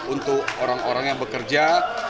untuk orang orang yang bekerja